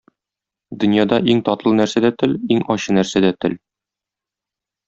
Дөньяда иң татлы нәрсә дә — тел, иң ачы нәрсә дә — тел.